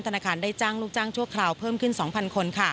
ธนาคารได้จ้างลูกจ้างชั่วคราวเพิ่มขึ้น๒๐๐คน